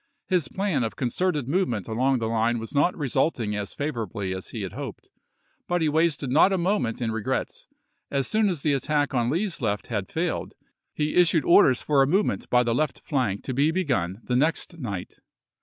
His plan of concerted move ment along the line was not resulting as favorably as he had hoped. But he wasted not a moment in regrets; as soon as the attack on Lee's left had failed, he issued orders for a movement by the left flank to be begun the next night.